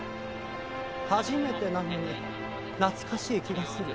初めてなのに懐かしい気がする。